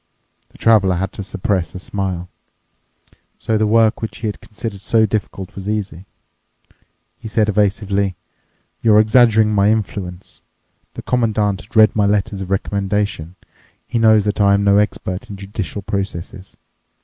The Traveler had to suppress a smile. So the work which he had considered so difficult was easy. He said evasively, "You're exaggerating my influence. The Commandant has read my letters of recommendation. He knows that I am no expert in judicial processes.